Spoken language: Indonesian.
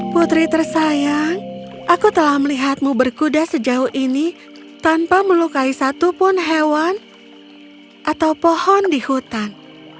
putri tersayang aku telah melihatmu berkuda sejauh ini tanpa melukai satupun hewan atau pohon di hutan